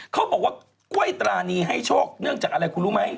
เขาบอกว่ากล้วยตรานีให้โชคเนื่องจากอะไรคุณรู้ไหม